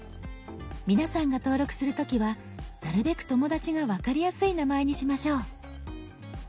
皆さんが登録する時はなるべく友だちが分かりやすい名前にしましょう。